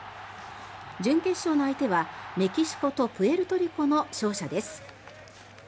準決勝の相手はメキシコとプエルトリコの勝者です。